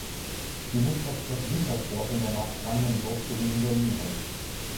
Sie wuchs auf Schloss Wiepersdorf in der Mark Brandenburg sowie in Berlin auf.